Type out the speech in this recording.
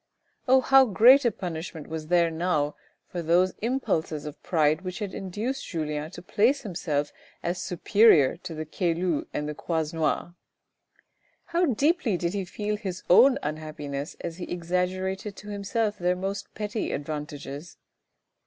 Oh, how great a punishment was there now for those impulses of pride which had induced Julien to place himself as superior to the Caylus and the Croisenois ! How deeply did he feel his own unhappiness as he exaggerated to himself their most petty advantages.